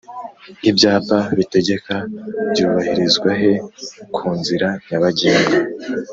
Ibyapa bitegeka by’ubahirizwahe kunzira nyabagendwa